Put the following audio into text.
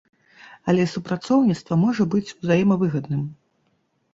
Але супрацоўніцтва можа быць узаемавыгадным.